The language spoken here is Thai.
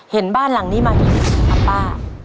เห็นบ้านหลังนี้ไหมอัปป้า